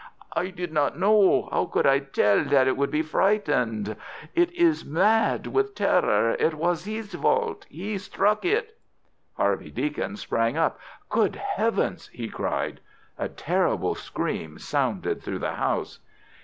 "I did not know. How could I tell that it would be frightened? It is mad with terror. It was his fault. He struck it." Harvey Deacon sprang up. "Good heavens!" he cried. A terrible scream sounded through the house.